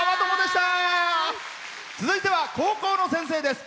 続いては、高校の先生です。